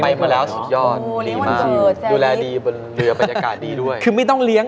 ไปกับพระธาเกียรติไปเที่ยวนี่เหลือ